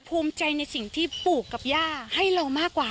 ภูมิใจในสิ่งที่ปู่กับย่าให้เรามากกว่า